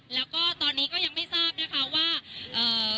แล้วก็ตอนนี้ก็ยังไม่ทราบนะคะว่าเอ่อ